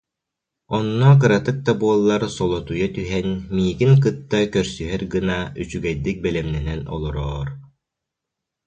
Онно кыратык да буоллар, солотуйа түһэн, миигин кытта көрсүһэр гына, үчүгэйдик бэлэмнэнэн олороор